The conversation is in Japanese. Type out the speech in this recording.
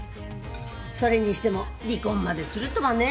それにしても離婚までするとはね。